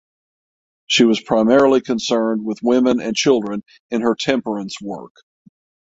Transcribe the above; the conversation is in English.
She was primarily concerned with women and children in her temperance work.